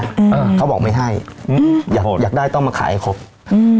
เออเขาบอกไม่ให้อืมอยากอยากได้ต้องมาขายให้ครบอืม